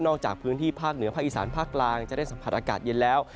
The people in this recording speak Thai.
จากพื้นที่ภาคเหนือภาคอีสานภาคกลางจะได้สัมผัสอากาศเย็นแล้ว